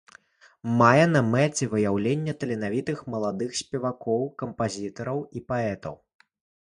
Мае на мэце выяўленне таленавітых маладых спевакоў, кампазітараў і паэтаў.